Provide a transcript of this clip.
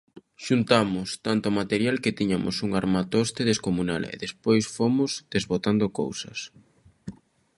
Xuntamos tanto material que tiñamos un armatoste descomunal e, despois, fomos desbotando cousas.